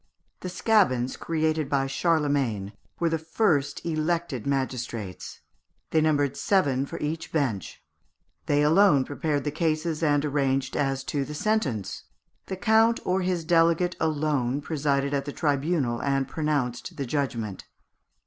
The scabins created by Charlemagne were the first elected magistrates. They numbered seven for each bench. They alone prepared the cases and arranged as to the sentence. The count or his delegate alone presided at the tribunal, and pronounced the judgment.